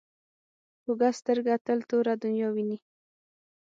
کوږه سترګه تل توره دنیا ویني